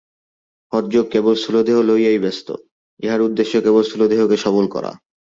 হঠযোগ কেবল স্থূলদেহ লইয়াই ব্যস্ত, ইহার উদ্দেশ্য কেবল স্থূলদেহকে সবল করা।